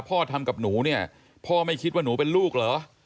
พ่อไม่คิดว่าหนูเป็นลูกเหรอ